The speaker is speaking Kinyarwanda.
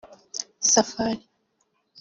Safari